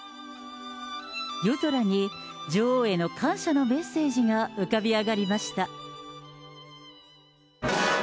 夜空に、女王への感謝のメッセージが浮かび上がりました。